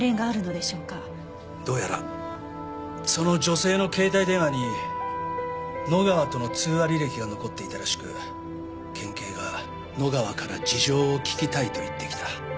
どうやらその女性の携帯電話に野川との通話履歴が残っていたらしく県警が野川から事情を聞きたいと言ってきた。